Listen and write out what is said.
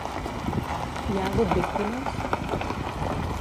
Hi ha hagut víctimes?